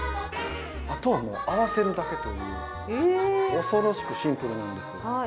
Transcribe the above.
あとは合わせるだけという、恐ろしくシンプルなんです。